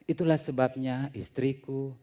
itulah sebabnya istriku